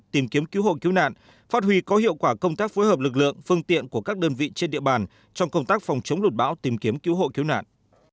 tìm kiếm cứu hộ cứu nạn phát huy có hiệu quả công tác phối hợp lực lượng phương tiện của các đơn vị trên địa bàn trong công tác phòng chống lụt bão tìm kiếm cứu hộ cứu nạn